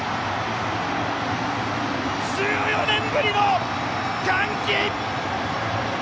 １４年ぶりの歓喜！